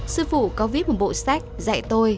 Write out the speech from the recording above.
sư phụ có viết một bộ sách dạy tôi